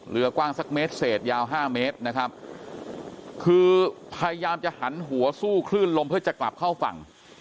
เรือกว้างสักเมตรเศษยาวห้าเมตรนะครับคือพยายามจะหันหัวสู้คลื่นลมเพื่อจะกลับเข้าฝั่ง